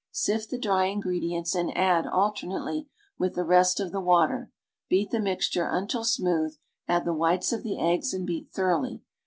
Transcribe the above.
Sift the dry ingredients and add, alternately, with the rest of the water; beat the mixture until smooth, add the whites of the eggs and beat thoroughly.